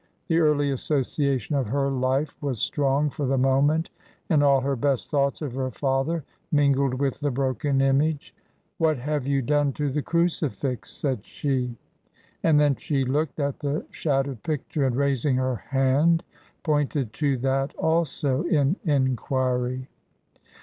The early association of her life was strong for the moment, and all her best thoughts of her father mingled with the broken image. " What have you done to the crucifix ?" said she. And then she looked at the shattered picture, and raising her hand, pointed to that also in enquiry.